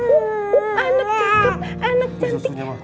anak cukup anak cantik